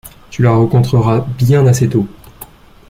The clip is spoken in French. tu la rencontreras bien assez tôt.